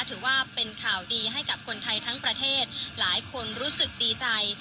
ถือว่าเป็นข่าวดีให้กับคนไทยทั้งประเทศหลายคนรู้สึกดีใจ